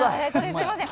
すみません。